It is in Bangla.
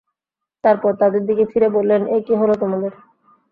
তারপর তাদের দিকে ফিরে বললেন, এ কী হল তোমাদের!